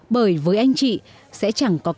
bởi với anh chị sẽ chẳng có kết thúc